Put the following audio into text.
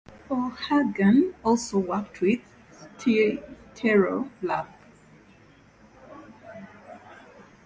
O'Hagan also worked with Stereolab.